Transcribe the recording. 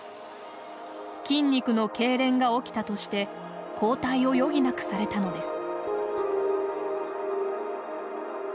筋肉のけいれんが起きたとして交代を余儀なくされたのです。